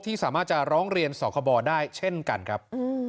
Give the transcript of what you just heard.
สามารถจะร้องเรียนสคบได้เช่นกันครับ